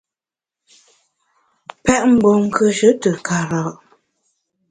Pèt mgbom nkùeshe te kara’ !